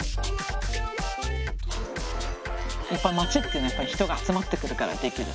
やっぱり街っていうのは人が集まってくるからできる。